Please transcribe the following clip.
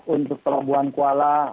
untuk pelabuhan kuala